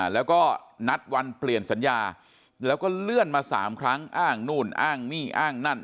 แล้วก็นัดวันเปลี่ยนสัญญาแล้วก็เลื่อนมา๓ครั้งอ้างนู่นอ้างนี่อ้างนั่น